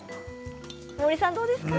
森さん、どうですか？